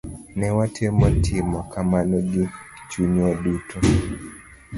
Ne watemo timo kamano gi chunywa duto.